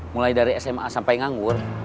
mulai dari sma sampai nganggur